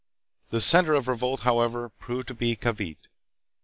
The center of revolt, however, proved to be Cavite.